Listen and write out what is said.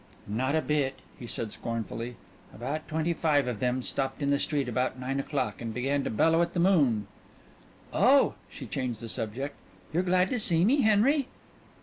"Not a bit," he said scornfully. "About twenty five of them stopped in the street about nine o'clock, and began to bellow at the moon." "Oh" She changed the subject. "You're glad to see me, Henry?"